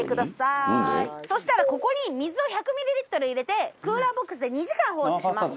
そしたらここに水を１００ミリリットル入れてクーラーボックスで２時間放置します。